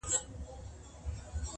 • پلار یې وویل شکوي چي خپل سرونه -